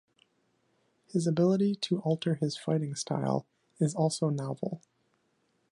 His ability to alter his fighting style is also novel.